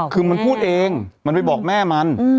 คือมันพูดเองมันไปบอกแม่มัน